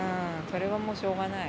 それはもう、しょうがない。